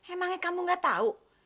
emangnya kamu gak tau